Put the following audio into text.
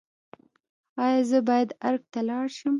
ایا زه باید ارګ ته لاړ شم؟